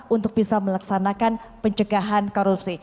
untuk bisa melaksanakan pencegahan korupsi